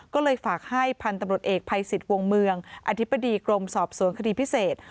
ก็เลยฝากให้พันธุ์ตำรวจเอกภัยสิทธิ์วงเมืองอธิบดีกรมสอบสวนคดีพิเศษ